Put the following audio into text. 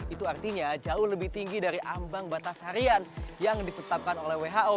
itu artinya jauh lebih tinggi dari ambang batas harian yang ditetapkan oleh who